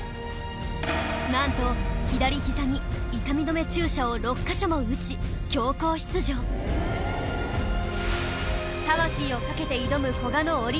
なんと左ひざに痛み止め注射を６カ所も打ち強行出場魂をかけて挑む古賀のオリンピック